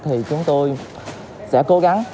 thì chúng tôi sẽ cố gắng